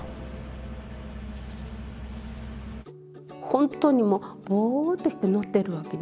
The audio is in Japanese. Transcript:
本当にもうボーッとして乗ってるわけじゃないんです。